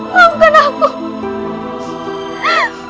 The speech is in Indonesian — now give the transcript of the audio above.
makan aku ibu dah